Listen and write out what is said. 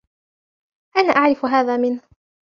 أنا أعرف هذا منه.